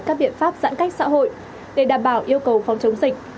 các biện pháp giãn cách xã hội để đảm bảo yêu cầu phòng chống dịch